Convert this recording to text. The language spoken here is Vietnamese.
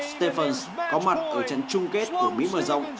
stephens có mặt ở trận chung kết của mỹ mở rộng